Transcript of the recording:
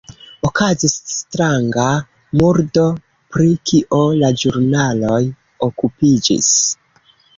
Okazis stranga murdo, pri kio la ĵurnaloj okupiĝis.